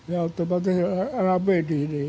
ya terpaksa rame di sini